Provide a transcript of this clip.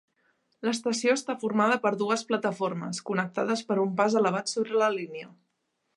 L"estació està formada per dues plataformes, connectades per un pas elevat sobre la línia.